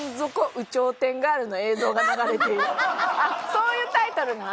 そういうタイトルなん？